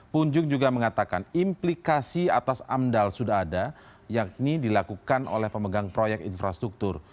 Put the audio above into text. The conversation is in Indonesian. punjung juga mengatakan implikasi atas amdal sudah ada yakni dilakukan oleh pemegang proyek infrastruktur